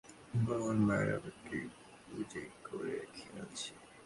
ও ওর মায়ের আবেগকে পুঁজি করে খেলছে।